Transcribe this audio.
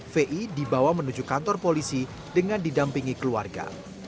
vi dibawa menuju kantor polisi dengan didampingi keluarga